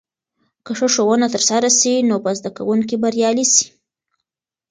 که ښه ښوونه ترسره سي، نو به زده کونکي بريالي سي.